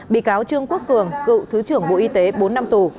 bị cáo trương quốc cường cựu thứ trưởng bộ y tế bốn năm tù